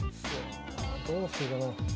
どうしようかな。